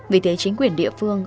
vì thế chính quyền địa phương